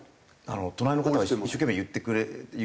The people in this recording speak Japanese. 隣の方が一生懸命言っててですね